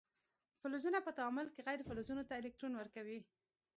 فلزونه په تعامل کې غیر فلزونو ته الکترون ورکوي.